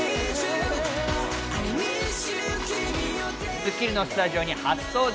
『スッキリ』のスタジオに初登場。